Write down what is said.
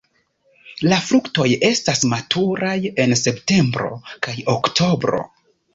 La fruktoj estas maturaj en septembro kaj oktobro.